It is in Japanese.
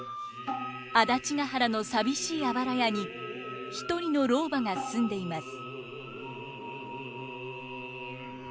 安達原の寂しいあばら家に一人の老婆が住んでいます。